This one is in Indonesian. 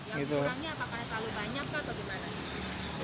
apakah terlalu banyak atau gimana